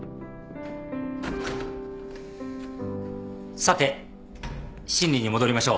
さて審理に戻りましょう。